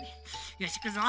よしいくぞ！